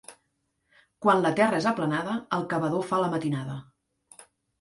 Quan la terra és aplanada, el cavador fa la matinada.